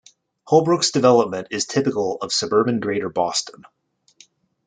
Holbrook's development is typical of suburban Greater Boston.